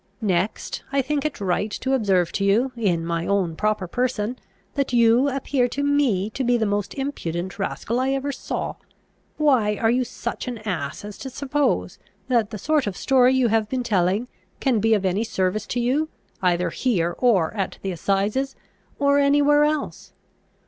Next, I think it right to observe to you, in my own proper person, that you appear to me to be the most impudent rascal I ever saw. Why, are you such an ass as to suppose, that the sort of story you have been telling, can be of any service to you, either here or at the assizes, or any where else?